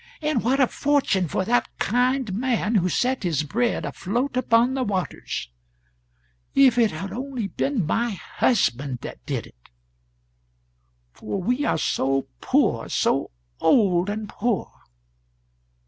... And what a fortune for that kind man who set his bread afloat upon the waters! ... If it had only been my husband that did it! for we are so poor, so old and poor!